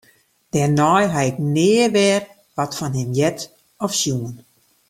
Dêrnei ha ik nea wer wat fan him heard of sjoen.